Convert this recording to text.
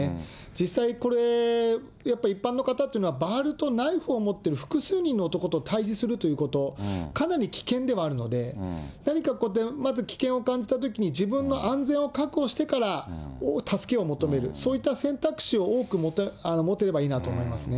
実際、これやっぱ、一般の方というのは、バールとナイフを持ってる複数人の男と対峙するということ、かなり危険ではあるので、何か、危険を感じたときに自分の安全を確保してから、助けを求める、そういった選択肢を多く持てればいいなと思いますね。